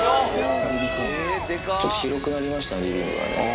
ちょっと広くなりましたね、リビングが。